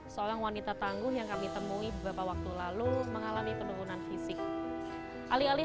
seorang wanita tangguh yang kami temui beberapa waktu lalu mengalami penurunan fisik alih alih